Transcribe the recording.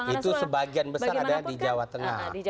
itu sebagian besar ada di jawa tengah